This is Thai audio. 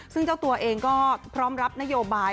ซึ่งเจ้าตัวเองก็พร้อมรับนโยบาย